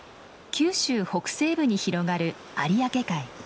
九州北西部に広がる有明海。